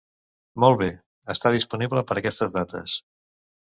Molt bé, està disponible per aquestes dates.